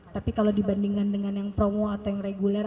tapi kalau dibandingkan dengan yang promo atau yang reguler